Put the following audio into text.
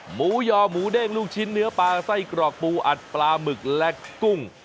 หมูยอหมูเด้งลูกชิ้นเนื้อปลาไส้กรอกปูอัดปลาหมึกและกุ้ง